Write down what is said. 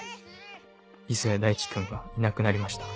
磯谷大地君がいなくなりました。